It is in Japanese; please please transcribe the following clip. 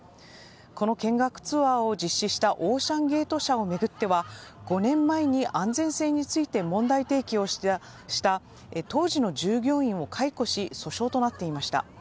この見学ツアーを実施したオーシャンゲート社を巡っては５年前に安全性について問題提起をした当時の従業員を解雇し訴訟となっていました。